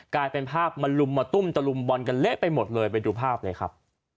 กลายเป็นภาพมาลุมมาตุ้มตะลุมบอลกันเละไปหมดเลยไปดูภาพเลยครับ